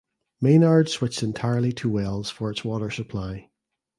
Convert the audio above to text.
Maynard switched entirely to wells for its water supply.